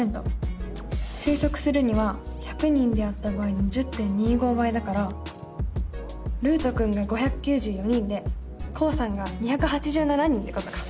推測するには１００人であった場合の１０．２５倍だからるうとくんが５９４人でこうさんが２８７人ってことか。